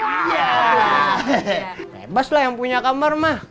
bebas lah yang punya kamar mah